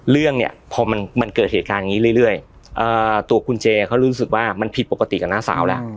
เรื่องเนี่ยพอมันเกิดเหตุการณ์อย่างนี้เรื่อยตัวคุณเจเขารู้สึกว่ามันผิดปกติกับน้าสาวแล้ว